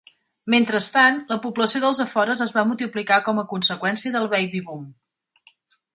Mentrestant, la població dels afores es va multiplicar com a conseqüència del baby boom.